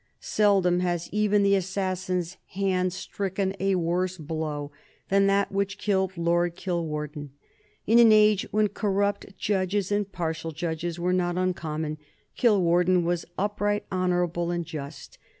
Seldom has even the assassin's hand stricken a worse blow than that which killed Lord Kilwarden. In an age when corrupt judges and partial judges were not uncommon, Kilwarden was upright, honorable and just.